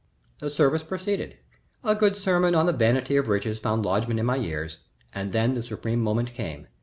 The service proceeded. A good sermon on the Vanity of Riches found lodgment in my ears, and then the supreme moment came.